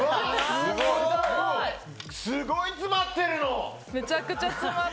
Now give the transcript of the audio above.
すごい詰まってるの！